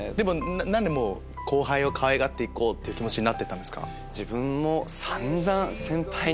何で後輩をかわいがってこうって気持ちになってったんですか？